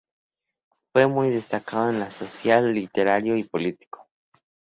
Fue muy destacado en lo social, literario y político.